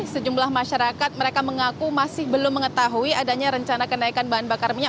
sejumlah masyarakat mereka mengaku masih belum mengetahui adanya rencana kenaikan bahan bakar minyak